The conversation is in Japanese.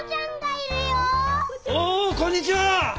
おおこんにちは！